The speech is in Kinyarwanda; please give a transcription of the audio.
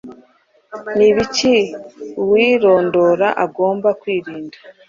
Ni ibiki uwirondora agomba kwirinda?